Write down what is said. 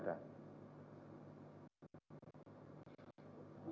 jadi ini adalah pertanyaan dari kri